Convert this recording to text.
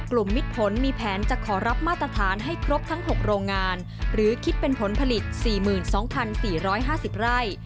กลุ่มมิตรผลมีแผนจะขอรับมาตรฐานให้ครบทั้งหกโรงงานหรือคิดเป็นผลผลิตสี่หมื่นสองพันสี่ร้อยห้าสิบไร่